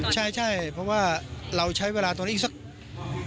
ใช่เพราะว่าเราใช้เวลาตรงนี้อีกสัก